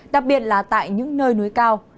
đặc biệt là tại những nơi núi cao